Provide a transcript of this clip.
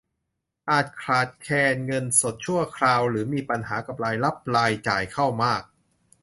อาจขาดแคลนเงินสดชั่วคราวหรือมีปัญหากับรายรับรายจ่าย เข้ามาก